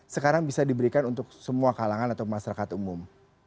sekarang bisa diberikan untuk semua kalangan atau masyarakat umum